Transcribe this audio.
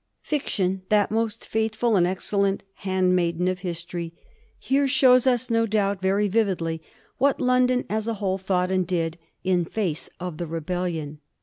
Fiction, that most faithful and excellent handmaiden of history, here shows us no doubt very vividly what London as a whole thought and did in face of the rebellion.